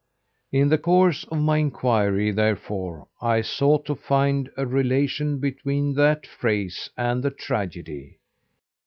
In the course of my inquiry, therefore, I sought to find a relation between that phrase and the tragedy.